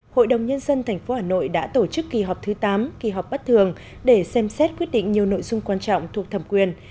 hội đồng nhân dân tp hà nội đã tổ chức kỳ họp thứ tám kỳ họp bất thường để xem xét quyết định nhiều nội dung quan trọng thuộc thẩm quyền